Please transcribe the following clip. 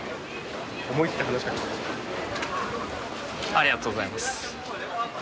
ありがとうございます。